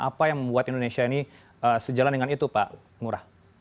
apa yang membuat indonesia ini sejalan dengan itu pak ngurah